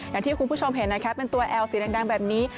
อย่างที่คุณผู้ชมเห็นนะคะเป็นตัวแอลสีแดงแบบนี้